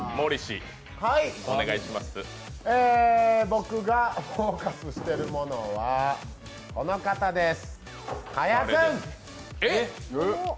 僕がフォーカスしてるものはこの方です。